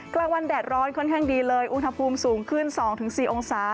กลางวันแดดร้อนค่อนข้างดีเลยอุณหภูมิสูงขึ้น๒๔องศา